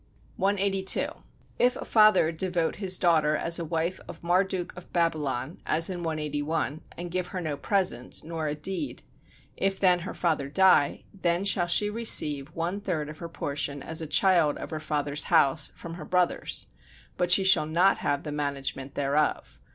182. If a father devote his daughter as a wife of Marduk of Babylon [as in 181], and give her no present, nor a deed; if then her father die, then shall she receive one third of her portion as a child of her father's house from her brothers, but she shall not have the management thereof.